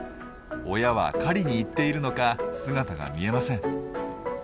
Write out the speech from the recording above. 親は狩りに行っているのか姿が見えません。